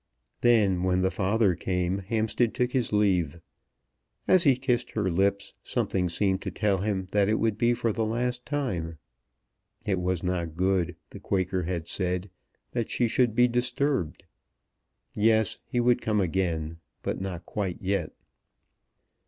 Then, when the father came, Hampstead took his leave. As he kissed her lips, something seemed to tell him that it would be for the last time. It was not good, the Quaker had said, that she should be disturbed. Yes; he could come again; but not quite yet.